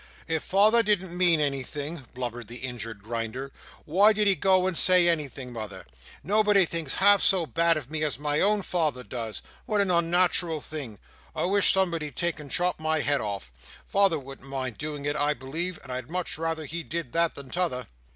"If father didn't mean anything," blubbered the injured Grinder, "why did he go and say anything, mother? Nobody thinks half so bad of me as my own father does. What a unnatural thing! I wish somebody'd take and chop my head off. Father wouldn't mind doing it, I believe, and I'd much rather he did that than t'other."